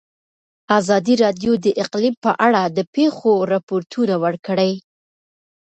ازادي راډیو د اقلیم په اړه د پېښو رپوټونه ورکړي.